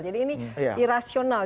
jadi ini irasional